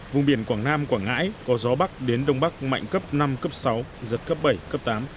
vùng biển quảng nam quảng ngãi có gió bắc đến đông bắc mạnh cấp năm cấp sáu giật cấp bảy cấp tám